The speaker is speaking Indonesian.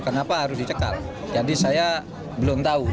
kenapa harus dicekal jadi saya belum tahu